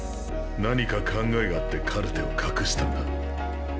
何か考えがあってカルテを隠したんだ。